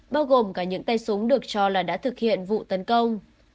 bao gồm cả những tay súng được cho là đã thực hiện vụ tấn công